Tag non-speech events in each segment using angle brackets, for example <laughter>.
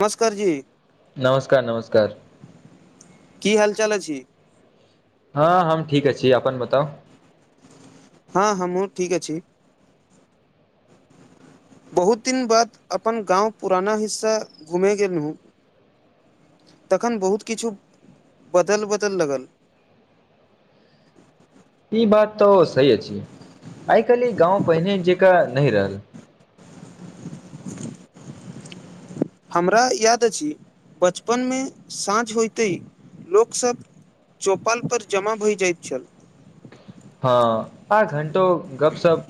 नमस्कार जी नमस्कार नमस्कार की हाल चाल अछि हँ हम ठीक अछि अपन बताउ हँ हँ हमु ठीक अछि बहुत दिन बाद अपन गाँव पुराना हिस्सा घुमेय गेलहु तखन बहुत किछु बदल बदल लगल ई बात तऽ सही अछि आइ काल्हि ई गाँव पहिने जकाँ नहि रहल हमरा याद अछि बचपनमे साँझ होइते लोकसभ चौपाल पर जमा भए जाइत छल हँ आ घंटो गपशप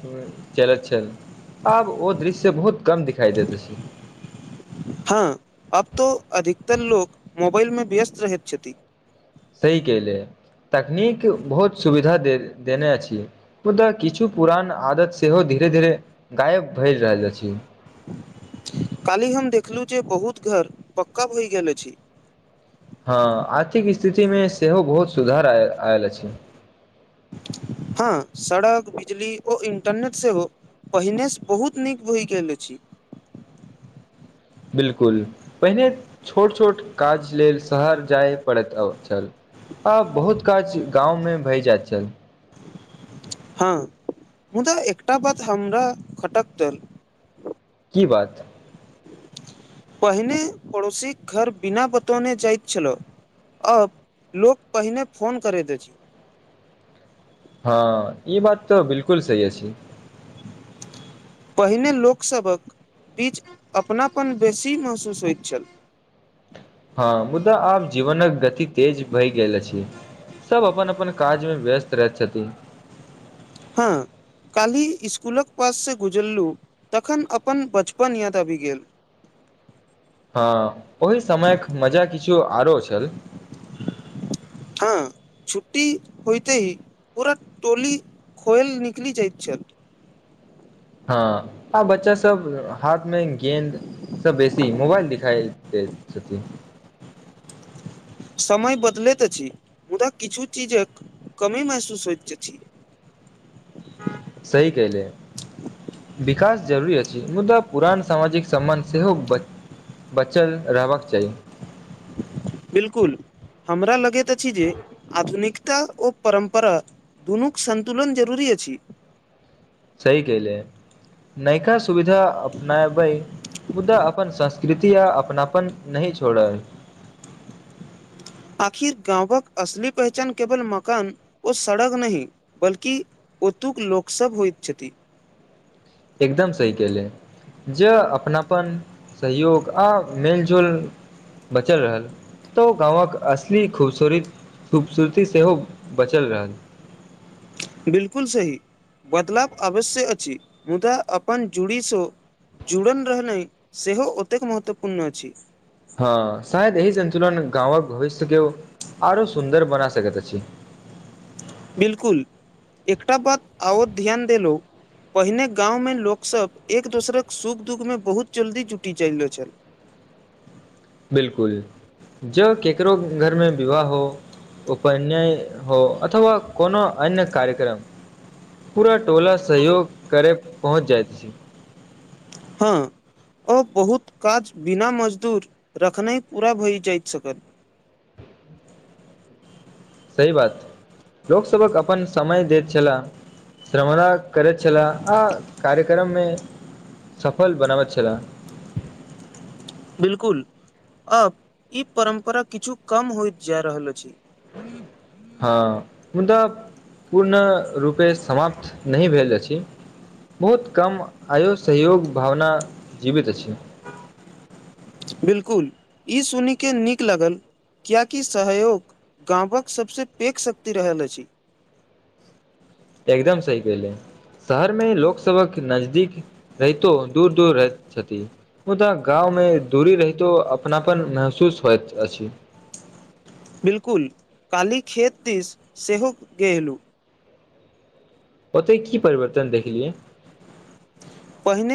चलैत छल आब ओ दृश्य बहुत कम दिखाई देत अछि <unintelligible> हँ अब तो अधिकतर लोग मोबाइलमे व्यस्त रहैत छथि सही केहले तकनीक बहुत सुविधा दे देने अछि मुदा किछु पुरान आदत सेहो द धीरे धीरे गायब भए रहल अछि <unintelligible> काल्हि हम देखलहुँ जे बहुत घर पक्का भए गेल अछि हँ आर्थिक स्थितिमे सेहो बहुत सुधार आय आयल अछि हँ सड़क बिजली ओ इंटरनेट से हो पहिनेसँ बहुत नीक बहि गेल अछि बिल्कुल पहिने छोट छोट काज लेल शहर जाय पड़ैत छल आ बहुत काज गाँवमे भय जाइत छल हँ मुदा एकटा बात हमरा खटक दल की बात पहिने पड़ोसीक घर बिना बतौने जाइत छलऽ आब लोक पहिने फोन करैत अछि हँ ई बात तऽ बिल्कुल सही अछि पहिने लोकसभक बीच अपनापन बेसी महसूस होइत छल <unintelligible> हँ मुद्दा आब जीवनक गति तेज भई गेल अछि सभ अपन अपन काजमे व्यस्त रहैत छथिन हँ काल्हि इस्कुलक पाससँ गुजरलहुँ तखन अपन बचपन याद आबि गेल <unintelligible> हँ ओहि समयक मजा किछु आरो छल हँ छुट्टी होइत ही पूरा टोली खोएल निकलि जाइत छल हँ आ बच्चा सब हाथमे गेन्द सँ बेसी मोबाइल दिखाइ दैत छथिन <unintelligible> समय बदलैत अछि मुद्दा किछु चीजक कमी महसूस होइत अछि <unintelligible> सही कहले विकास जरुरी अछि मुद्दा पुरान सामाजिक सम्मान सेहो बचल रहबाक चाही बिल्कुल हमरा लगैत अछि जे आधुनिक ता ओ परम्परा दुनूक संन्तुलन जरूरी अछि सही कले नयका सुविधा अपनायबै मुद्दा अपन संस्कृति आ अपनापन नहि छोड़ल <unintelligible> आखिर गाँंवक असली पहचान केवल मकान व सड़क नहि बल्कि ओतुक लोक सब होइ छथिन एकदम सही केहले जे अपनापन सहयोग आ मेलजोल बचल रहल तऽ ओ गामक असली खूबसूरीत खूबसूरती सेहो बचल रहल <unintelligible> बिल्कुल सही बदलाव अवश्य अछि मुदा अपन जुड़ीसँ जुड़ल रहनाइ सेहो ओतेक महत्वपूर्ण अछि हँ शायद यही सन्तुलन गाँवक भविष्यके आरो सुन्दर बना सकैत अछि बिल्कुल एकटा बाद आओर ध्यान देलोअ पहिने गाममे लोकसभ एक दोसरक सुख दुखमे बहुत जल्दी जुटि चलि गेल छल <unintelligible> बिल्कुल जब केकरो घरमे विवाह हो उपन्याय हो अथवा कोनो अन्य कार्यक्रम पूरा टोला सहयोग करे पहुँच जाइत छि हँ ओ बहुत काज बिना मजदूर रखनाइ पूरा भऽ जाइत सकत <unintelligible> सही बात लोकसभक अपन समय दैत छला श्रमना करैत छले आ कार्यक्रममे सफल बनाब छला <unintelligible> बिल्कुल अब ई परम्परा किछु कम होइत जा रहल अछि <unintelligible> हँ मुदा पूर्ण रूपे समाप्त नहि भेल अछि बहुत कम आयो सहयोग भावना जीवित अछि बिल्कुल ई सुने नीक लागल किएकि सहयोग गामवक सभसँ पेघ शक्ति रहल अछि <unintelligible> एकदम सहि कहले शहर मे लोकसभक नजदीक रहितो दूर दूर रहैत छथि मुदा गाँव मे दूरी रहितो अपनापन महसूस होइत अछि बिल्कुल काली खेत दिस सेहो गेहलू ओतय की परिवर्तन देखलियै पहिने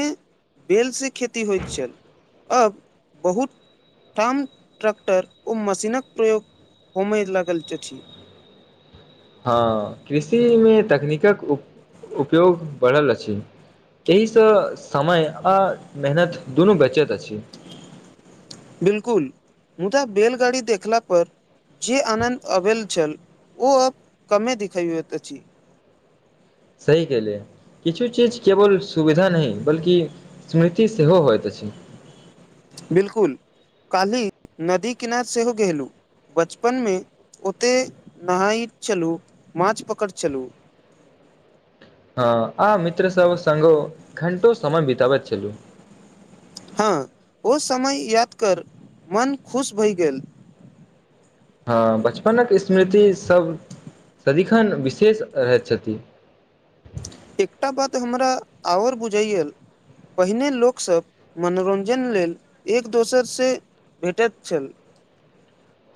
बेलसँ खेती होइत छल अब बहुत ठाम ट्रैक्टर ओ मशीनक प्रयोग होमय लागल अछि हँ कृषिमे तकनीकक उपयोग बढ़ल अछि एहिसँ समय आ मेहनत दुनू बचत अछि बिलकुल मुदा बैेलगाड़ी देखला पर जे आनन्द अबेल छल ओ अब कमे दिखायइत अछि सही कलिय किछु चीज केवल सुविधा नहि बल्कि स्मृति सेहो होइत अछि बिल्कुल काल्हि नदी किनार सेहो गेलू बचपन में ओतेक नहाइत छलू माछ पकड़ छलू <unintelligible> हँ आ मित्रसभ सगों घण्टो समय बितबैत छलहु हँ ओ समय याद कर मन खुश भहि गेल हँ बचपनक स्मृति सब सदिखन विशेष रहैत छथि एकटा बात हमरा आओर बुझैए पहिने लोकसभ मनोरंजन लेल एक दोसर से भेटैत छल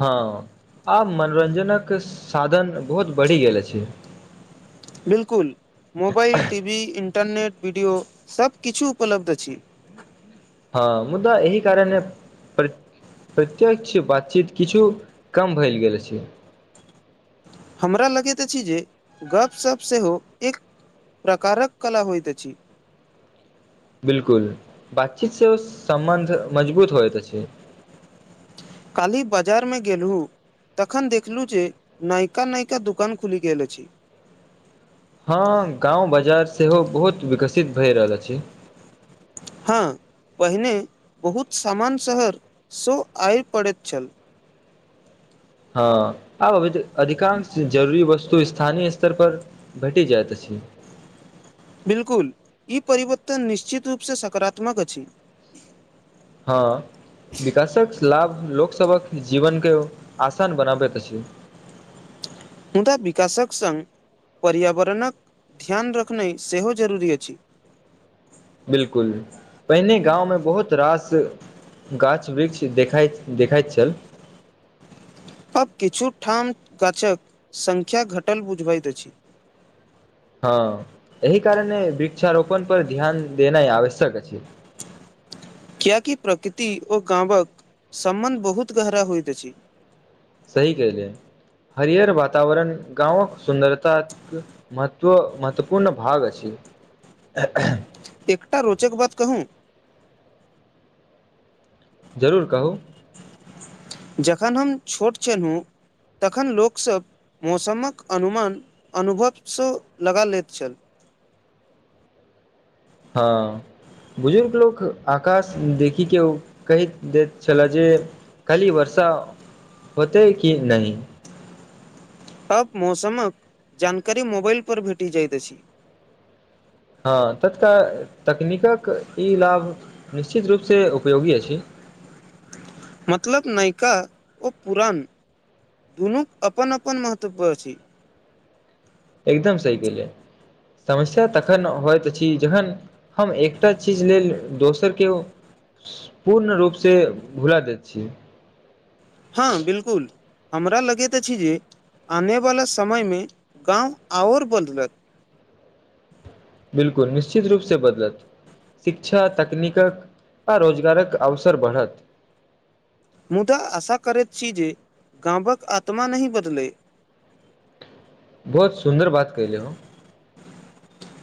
हँ आब मनोरंजक साधन बहुत बढ़ि गेल अछि बिल्कुल मोबाइल टीवी इंटरनेट वीडियो सब किछु उपलब्ध अछि हँ मुद्दा इह कारण पर प्रत्यक्ष बातचीत किछु कम भेल गेल छै हमरा लगैत अछि जे गपशप सेहो एक प्रकारक कला होइत छी बिलकुल बातचीत सेहो ओ सम्बन्ध मजबूत होइतइत छै काल्हि बाजार में गेलहुँ तखन देखलहुँ जे नयका नयका दोकान खुलि गेल अछि हँ गाँव बाजार सेहो बहुत विकसित भए रहल अछि हँ पहिने बहुत सामान्य शहरसँ आब पड़ैत छल हँ आब अभ अधिकांश जरूरी वस्तु स्थानीय स्तर पर भेटि जाइत अछि <inaudible> बिल्कुल इ परिवर्तन निश्चित रूपसँ सकारात्मक अछि हँ विकासक लाभ लोकसभक जीवनकेँ आसान बनाबैत अछि मुदा विकशक सङ् पर्यावरणक ध्यान रखनाइ सेहो जरूरी अछि बिलकुल पहिने गाँव में बहुत रास गाछ वृक्ष देखाइत देखाइत छल <inaudible> आब किछु ठाम गाछक संख्या घटल बुझबैत अछि हँ एहि कारण वृक्षारोपण पर ध्यान देनाइ आवश्यक छै <inaudible> कियकि प्रकृति ओ गाँवक सम्बन्ध बहुत गहरा होइत अछि सही कहलिय हरिहर वातावर्ण गाँवक सुन्दरता महत्व महत्वपूर्ण भाग अछि एखन एकटा रोचक बात कहू जरूर कहू जखन हम छोट छलहुँ तखन लोकसभ मौसमक अनुमान अनुभवसँ लगा लैत छल <inaudible> हँ बुजुर्ग लोक आकाश देखी के ओ कहि दैत छल जे खाली वर्षा होतेै कि नहि आब मौसमक जानकारी मोबाइलपर भेटि जाइत अछि हँ तत्काल तकनीकक इ लाभ निश्चित रूपसँ उपयोगी अछि मतलब नायका ओ पुरान दुनूक अपन अपन महत्व अछि एकदम सही गेलिय समस्या तखन होइत त छी जखन हम एकटा चीज लेल दोसर के पूर्ण रूपसँ भुला दैत छीयै हँ बिल्कुल हमरा लगैत अछि जे आनेवला समय में गाँव ओर बदलक बिलकुल निश्चित रूप से बदलत शिक्षा तकनीकक आ रोजगारक अवसर बढ़त मुदा आशा करैत छी जे गाँवक आत्मा नहि बदलै <inaudible> बहुत सुन्दर बात कहि देलहुँ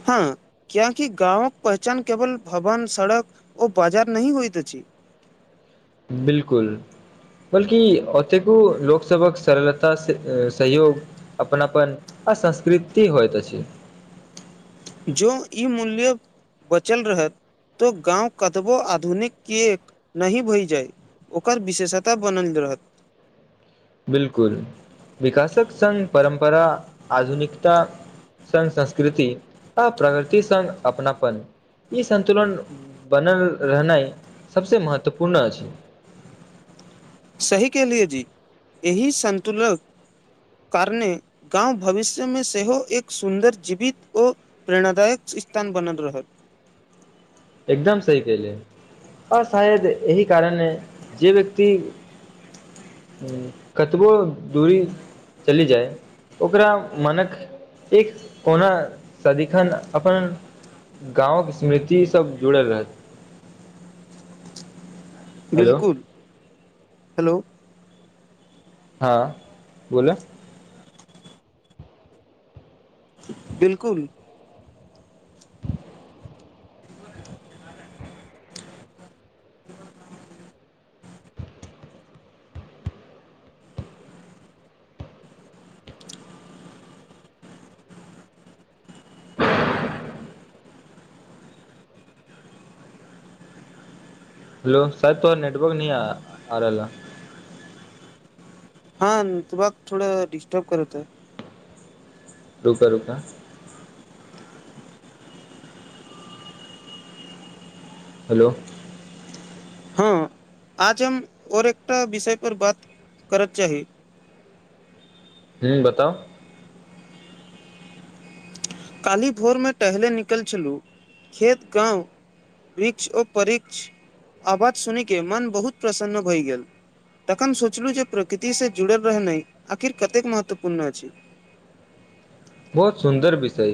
हँ कियकि गाँवक पहचान केवल भवन सड़क ओ बाजार नहि होइत अछि <inaudible> बिलकुल बल्कि ओतेको लोकसभक सरलता सहयोग अपन अपन आ संस्कृति होइ त छै जो इ मूल्य बचल रहत तो गाँव कतबों आधुनिक किए नहि भई जाय ओकर विशेषता वर्णनल रहत बिल्कुल विकासक संघ परम्परा आधुनिकता सगं संस्कृति आ प्रगृति सगं अपनापन ई सन्तुलन बनल रहनाइ सभसे महत्वपूर्ण अछि सही कहलिए जी एहि संतुलक कारणे गाँंव भविष्य में सेहो एक सुन्दर जीवित व प्रेरणादायक छै कि स्थान बनल रहत एकदम सही कइल ओ शायद एहि कारण ह जे व्यक्ति ह कतबो दूरी चलि जाय ओकरा मनक एक कोना सदिखन अपन गाँवके स्मृति सभ जुड़ल रहत हेलो बिलकुल हेलो हँ बोल बिलकुल हेलो शायद तोहर नेटवर्क न आ रहल हँ तऽ बग थोड़ डिस्टर्ब करतै रूका रूका हेलो हँ आज हम और एकटा विषय पर बात करत चाही ह्म बताउ काली भोरमे टहले निकल छलहुँ खेत गाँव वृक्ष आ परृक्ष आवाज सुनयके मन बहुत प्रसन्न भए गेल तखन सोचलहुँ जे प्रकृतिसँ जुड़ल रहनाइ आखिर कतेक महत्वपूर्ण अछि <unintelligible> बहुत सुन्दर विषय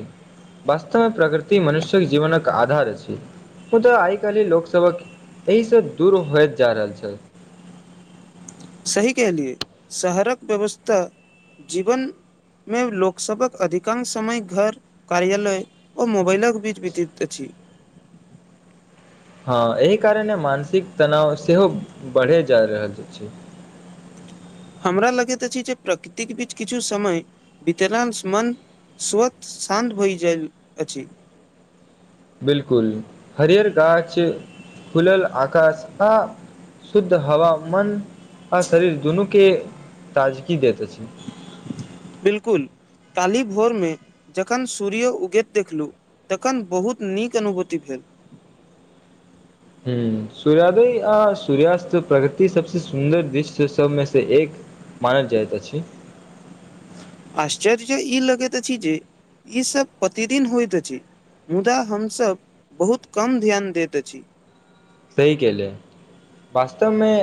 वास्तवमे प्रकृति मनुष्यक जीवनक आधार अछि मु तऽ आइ काल्हि लोकसभक एहिसँ दूर होइत जा रहल छल सही कहलियए शहरक व्यवस्था जीवन मे लोकसभक अधिकांश समय घर कार्यालय आर मोबाइलक बीच वितित अछि <unintelligible> हँ एहि कारणे मानसिक तनाव सेहो बढ़े जा रहल छै हमरा लगैत अछि जे प्रकृतिक के बीच किछु समय वितरानश मन स्वत शान्त भइ जाल अछि बिलकुल हरिहर गाछ खुलल आकाश आ शुद्ध हवा मन आ शरीर दुनू के ताजगी देैत अछि बिलकुल काली भोरमे जखन सूर्य उगैत देखलहु तखन बहुत नीक अनुभूति भेल ह सूर्योदय आ सूर्यस्त प्रगति सबस सुन्दर दृश्य सबमे से एक मानल जाइत छी <unintelligible> आश्चर्य ई लगैत अछि जे ईसभ प्रतिदिन होइत अछि मुदा हमसभ बहुत कम ध्यान दैत अछि सही के ले वास्तवमे